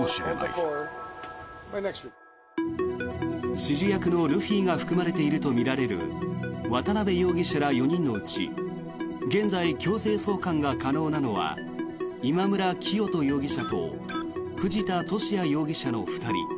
指示役のルフィが含まれているとみられる渡邉容疑者ら４人のうち現在、強制送還が可能なのは今村磨人容疑者と藤田聖也容疑者の２人。